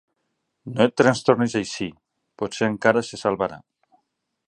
No et trastornis així: potser encara se salvarà.